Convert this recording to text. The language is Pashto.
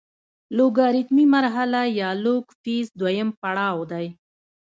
لوګارتمي مرحله یا لوګ فیز دویم پړاو دی.